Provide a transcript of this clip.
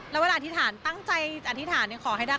แล้วเวลาอธิษฐานตั้งใจอธิษฐานขอให้ได้